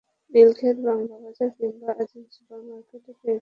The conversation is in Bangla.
নীলক্ষেত, বাংলা বাজার কিংবা আজিজ সুপার মার্কেটেই পেয়ে যাবেন বিভিন্ন বইয়ের দোকান।